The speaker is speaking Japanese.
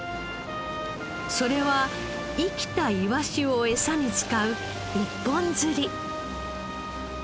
それは生きたイワシをエサに使う一本釣り。